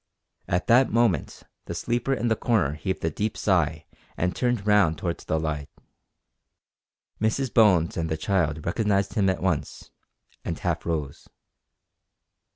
At that moment the sleeper in the corner heaved a deep sigh and turned round towards the light. Mrs Bones and the child recognised him at once, and half rose.